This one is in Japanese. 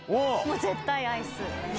絶対アイス。